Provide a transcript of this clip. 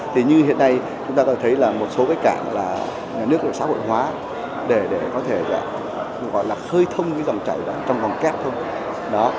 thì như hiện nay chúng ta có thể thấy là một số cái cảng là nước xã hội hóa để có thể gọi là khơi thông cái dòng chạy vào trong dòng két thôi